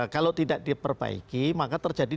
kalau tidak diperbaiki maka terjadi